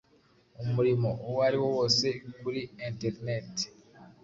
umurimo uwo ariwo wose kuri enternet